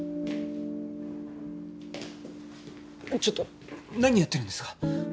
ちょっと何やってるんですか？